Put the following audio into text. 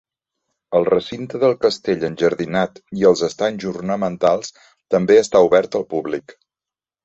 El recinte del castell enjardinat i els estanys ornamentals també està obert al públic.